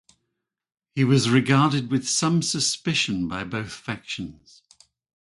He was regarded with some suspicion by both factions.